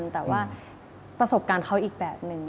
แต่ว่ามีอีกแบบหนึ่ง